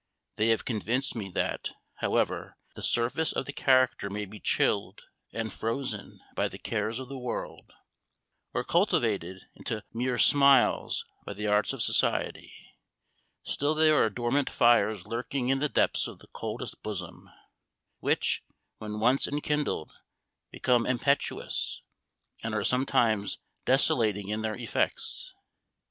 They have convinced me that, however the surface of the character may be chilled and frozen by the cares of the world, or cultivated into mere smiles by the arts of society, still there are dormant fires lurking in the depths of the coldest bosom, which, when once enkindled, become impetuous, and are sometimes desolating in their effects.